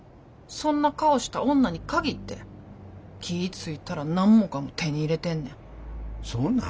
そんな顔した女に限って気ぃ付いたら何もかも手に入れてんねん。